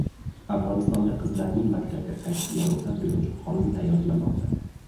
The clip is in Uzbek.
Afg‘onistonda qizlarning maktabga qaytishiga ruxsat beruvchi qonun tayyorlanmoqda